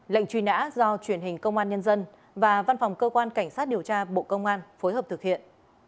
lệnh truy nã do truyền hình công an nhân dân và văn phòng cơ quan cảnh sát điều tra bộ công an phối hợp thực hiện